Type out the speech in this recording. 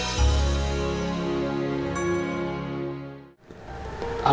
al udah melakukan segala cara